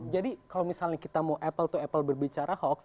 jadi kalau misalnya kita mau apple to apple berbicara hoax